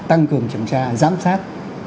tăng cường kiểm tra giám sát